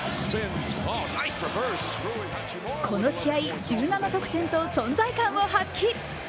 この試合１７得点と、存在感を発揮！